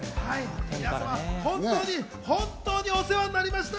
皆様、本当に本当にお世話になりました。